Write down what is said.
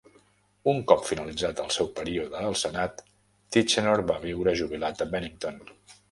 Un cop finalitzat el seu període al senat, Tichenor va viure jubilat a Bennington.